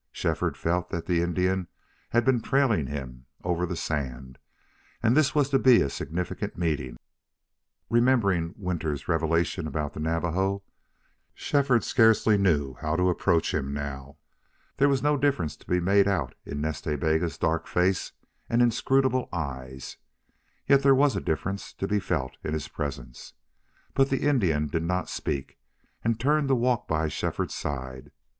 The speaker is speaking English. Shefford felt that the Indian had been trailing him over the sand, and that this was to be a significant meeting. Remembering Withers's revelation about the Navajo, Shefford scarcely knew how to approach him now. There was no difference to be made out in Nas Ta Bega's dark face and inscrutable eyes, yet there was a difference to be felt in his presence. But the Indian did not speak, and turned to walk by Shefford's side.